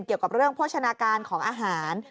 เกี่ยวกับเรื่องโภชนาการของอาหาร